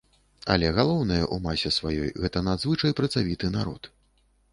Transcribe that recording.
Але галоўнае, у масе сваёй, гэта надзвычай працавіты народ.